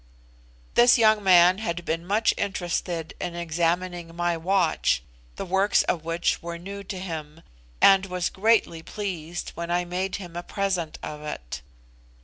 This young man had been much interested in examining my watch, the works of which were new to him, and was greatly pleased when I made him a present of it.